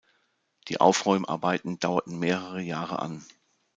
Die Aufräumarbeiten dauerten mehrere Jahre an.